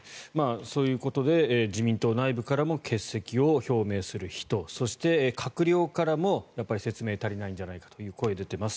そういうことで自民党内部からも欠席を表明する人そして閣僚からも説明が足りないんじゃないかという声が出ています